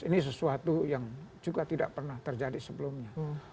ini sesuatu yang juga tidak pernah terjadi sebelumnya